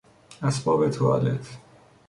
اسباب توالت